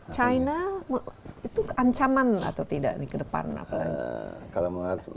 china itu ancaman atau tidak nih ke depan